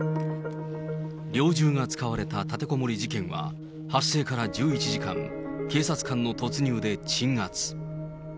猟銃が使われた立てこもり事件は、発生から１１時間、警察官の突入で鎮圧。